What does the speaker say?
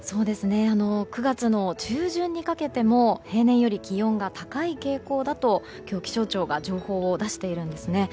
９月中旬にかけても平年より気温が高い傾向だと今日、気象庁が情報を出しているんですね。